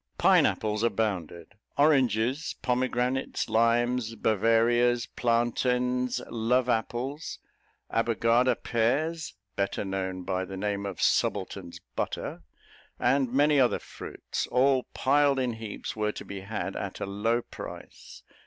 Pine apples abounded, oranges, pomegranates, limes, Bavarias, plantains, love apples, Abbogada pears (better known by the name of subaltern's butter), and many other fruits, all piled in heaps, were to be had at a low price.